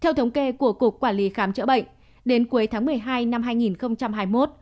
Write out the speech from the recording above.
theo thống kê của cục quản lý khám chữa bệnh đến cuối tháng một mươi hai năm hai nghìn hai mươi một